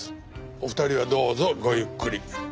お二人はどうぞごゆっくり。